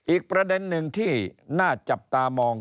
อีกประเด็นหนึ่งที่น่าจับตามอง